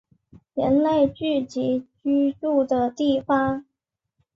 人类聚集居住的地方